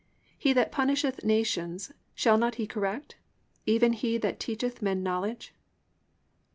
He that punisheth nations, shall not he correct? Even he that teacheth men knowledge?"